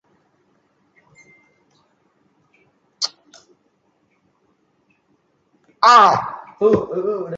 Its existence was later confirmed by drilling results.